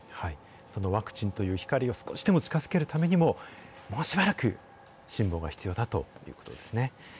ワクチンという光を少しでも近づけるためにも、もうしばらく辛抱が必要だということですね。